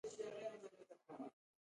بزګر د دوبي تودوخه زغمي